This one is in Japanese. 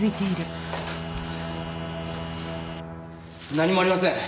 何もありません。